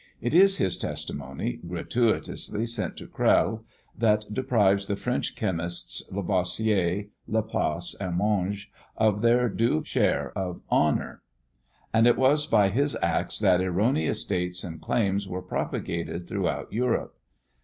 It is his testimony, gratuitously sent to Crell, that deprives the French chemists, Lavoisier, Laplace, and Monge, of their due share of honour; and it was by his acts that erroneous dates and claims were propagated throughout Europe.